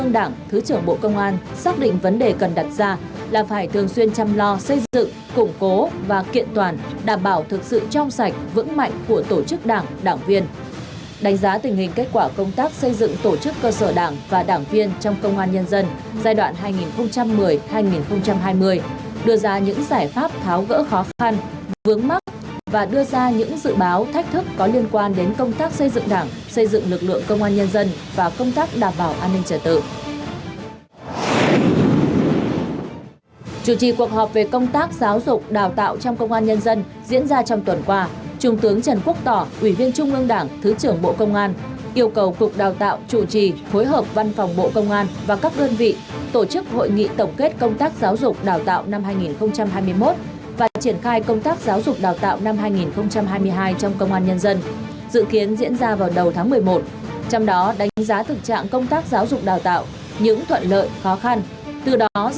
đánh giá tình hình kết quả công tác xây dựng tổ chức cơ sở đảng và đảng viên trong công an nhân dân giai đoạn hai nghìn một mươi hai nghìn hai mươi đưa ra những giải pháp tháo gỡ khó khăn vướng mắc và đưa ra những dự báo thách thức có liên quan đến công tác xây dựng đảng xây dựng lực lượng công an nhân dân và công tác đảm bảo an ninh trở tự